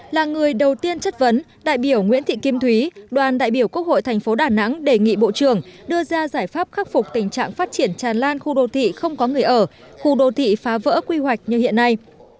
là người đầu tiên chất vấn đại biểu nguyễn thị kim thúy đoàn đại biểu quốc hội thành phố đà nẵng đề nghị bộ trưởng đưa ra giải pháp khắc phục tình trạng phát triển tràn lan khu đô thị không có người ở khu đô thị phá vỡ quy hoạch như hiện nay